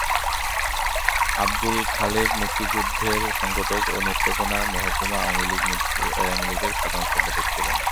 আব্দুল খালেক মুক্তিযুদ্ধের সংগঠক ও নেত্রকোণা মহকুমা আওয়ামী লীগের সাধারণ সম্পাদক ছিলেন।